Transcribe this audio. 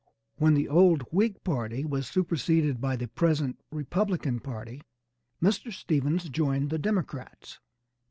When the old Whig party was superceded by the present Republican party Mr. Stephens joined the Democrats.